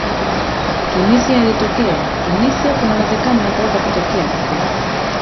tunisia yaliyotokea tunisia kunawezekano yakaweza kutokea se